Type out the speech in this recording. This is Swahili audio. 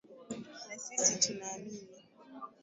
na sisi tunaamini